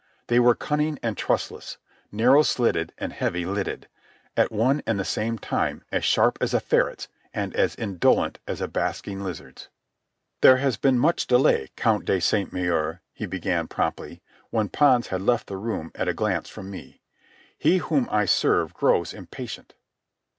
They were cunning and trustless, narrow slitted and heavy lidded, at one and the same time as sharp as a ferret's and as indolent as a basking lizard's. "There has been much delay, Count de Sainte Maure," he began promptly, when Pons had left the room at a glance from me. "He whom I serve grows impatient."